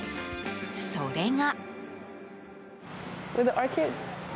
それが。